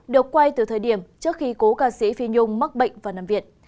được quay từ thời điểm trước khi cố ca sĩ phi nhung mắc bệnh và nằm viện